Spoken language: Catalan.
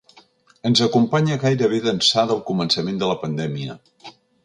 Ens acompanya gairebé d’ençà del començament de la pandèmia.